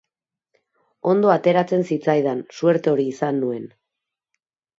Ondo ateratzen zitzaidan, suerte hori izan nuen.